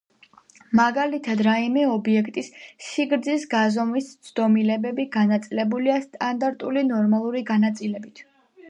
მაგალითად, რაიმე ობიექტის სიგრძის გაზომვის ცდომილებები განაწილებულია სტანდარტული ნორმალური განაწილებით.